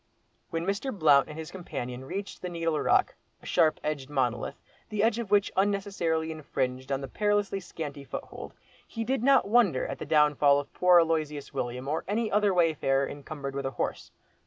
When Mr. Blount and his companion reached the Needle Rock, a sharp edged monolith, the edge of which unnecessarily infringed on the perilously scanty foothold, he did not wonder at the downfall of poor Aloysius William or any other wayfarer encumbered with a horse.